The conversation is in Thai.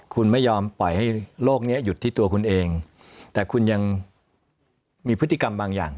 คุณไม่ยอมปล่อยให้โลกนี้หยุดที่ตัวคุณเองแต่คุณยังมีพฤติกรรมบางอย่าง